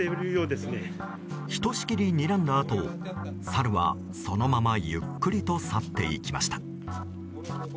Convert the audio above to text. ひとしきりにらんだあとサルはそのままゆっくりと去っていきました。